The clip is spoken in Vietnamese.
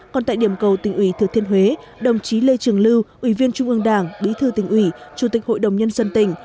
còn tại điểm cầu tỉnh ủy thừa thiên huế đồng chí lê trường lưu ủy viên trung ương đảng bí thư tỉnh ủy chủ tịch hội đồng nhân dân tỉnh